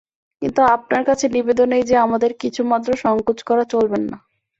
কিন্তু আপনার কাছে নিবেদন এই যে, আমাদের কিছুমাত্র সংকোচ করে চলবেন না।